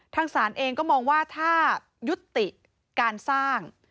ทางศาลเองก็มองว่าถ้ายุติการสร้าง